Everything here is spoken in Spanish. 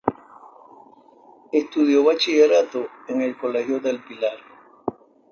Estudió bachillerato en el colegio del Pilar.